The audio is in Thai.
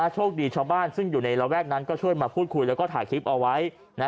โชคดีชาวบ้านซึ่งอยู่ในระแวกนั้นก็ช่วยมาพูดคุยแล้วก็ถ่ายคลิปเอาไว้